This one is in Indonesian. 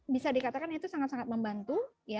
bisa dikatakan itu sangat sangat membantu